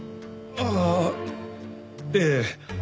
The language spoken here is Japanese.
ああええ。